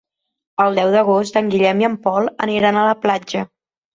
El deu d'agost en Guillem i en Pol aniran a la platja.